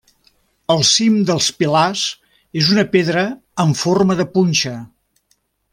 El cim dels pilars és una pedra en forma de punxa.